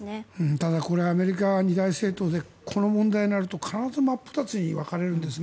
ただ、これはアメリカは２大政党でこの問題になると、必ず真っ二つに分かれるんですね。